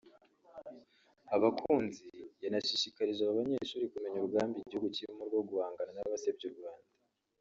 Abakunzi yanashishikarije abo banyeshuri kumenya urugamba igihugu kirimo rwo guhangana n’abasebya u Rwanda